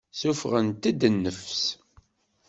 Ssuffɣent-d nnefs.